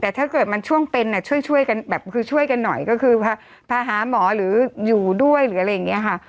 แต่ถ้าเกิดมันช่วงเป็นช่วยกันแบบคือช่วยกันหน่อยก็คือพาหาหมอหรืออยู่ด้วยหรืออะไรอย่างนี้ค่ะ